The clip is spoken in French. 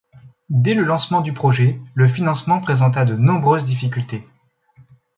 Dès le lancement du projet, le financement présenta de nombreuses difficultés.